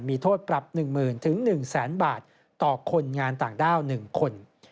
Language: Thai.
มีโทษปรับ๑๐๐๐๑๐๐๐บาทต่อคนงานต่างด้าว๑คน